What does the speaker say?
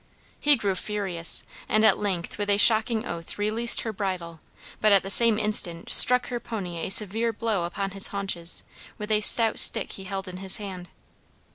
He grew furious, and at length with a shocking oath released her bridle, but at the same instant struck her pony a severe blow upon his haunches, with a stout stick he held in his hand.